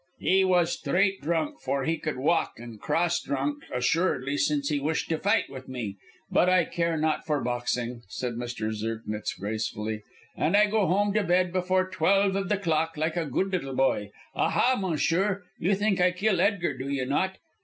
"He was straight drunk, for he could walk; and cross drunk, assuredly, since he wished to fight with me. But I care not for boxing," said Mr. Zirknitz, gracefully. "And I go home to bed before twelve of the clock, like a good little boy. Aha, monsieur, you think I kill Edgar, do you not?